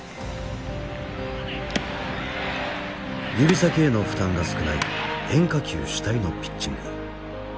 指先への負担が少ない変化球主体のピッチング。